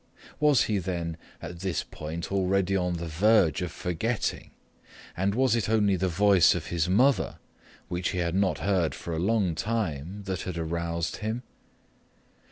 Was he then at this point already on the verge of forgetting and was it only the voice of his mother, which he had not heard for a long time, that had aroused him?